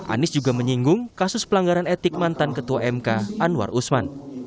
anies juga menyinggung kasus pelanggaran etik mantan ketua mk anwar usman